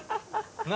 何。